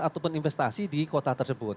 ataupun investasi di kota tersebut